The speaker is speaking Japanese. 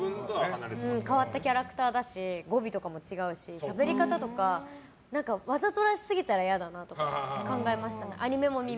変わったキャラクターだし語尾とかも違うしわざとらしかったら嫌だなとか考えました。